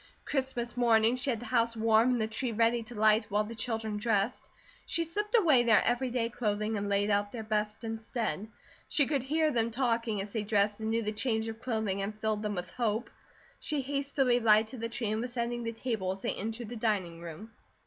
Christmas morning she had the house warm and the tree ready to light while the children dressed. She slipped away their every day clothing and laid out their best instead. She could hear them talking as they dressed, and knew the change of clothing had filled them with hope. She hastily lighted the tree, and was setting the table as they entered the dining room.